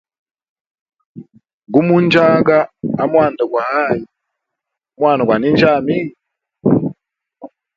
Gumu njaga amwanda gwa ayi mwana gwa ninjyami.